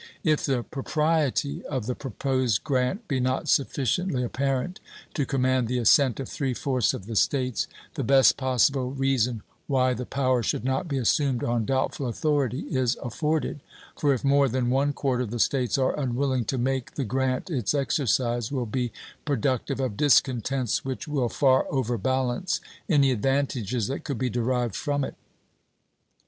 If the propriety of the proposed grant be not sufficiently apparent to command the assent of 3/4 of the States, the best possible reason why the power should not be assumed on doubtful authority is afforded; for if more than one quarter of the States are unwilling to make the grant its exercise will be productive of discontents which will far over balance any advantages that could be derived from it.